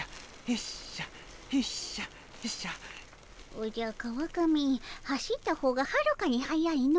おじゃ川上走った方がはるかに速いの。